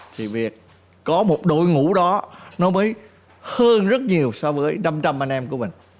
thì việc có một đội ngũ đó nó mới hơn rất nhiều so với năm trăm linh anh em của mình